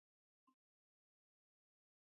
ډيپلومات د کوربه هېواد له خلکو سره اړیکې جوړوي.